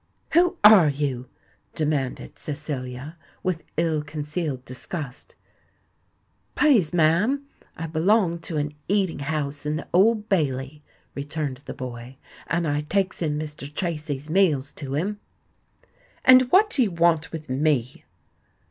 "Who are you?" demanded Cecilia, with ill concealed disgust. "Please, ma'am, I belong to an eating house in the Old Bailey," returned the boy; "and I takes in Mr. Tracy's meals to him." "And what do you want with me?"